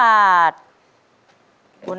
ไม่ออกไปเลย